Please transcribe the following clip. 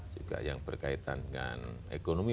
juga yang berkaitan dengan ekonomi